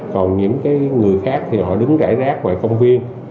còn những người khác thì họ đứng rải rác ngoài công viên